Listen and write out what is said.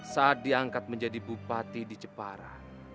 saat diangkat menjadi bupati di jepara